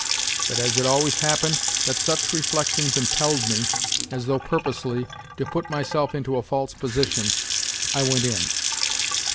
But as it always happened that such reflections impelled me, as though purposely, to put myself into a false position, I went in.